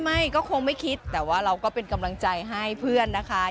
ไม่ก็คงไม่คิดแต่ว่าเราก็เป็นกำลังใจให้เพื่อนนะคะ